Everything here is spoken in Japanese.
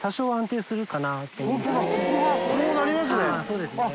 そうですね。